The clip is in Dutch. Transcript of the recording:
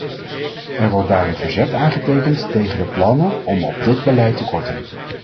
Er wordt daarom verzet aangetekend tegen de plannen om op dit beleid te korten.